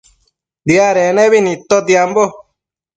Diadec nebi nidtotiambo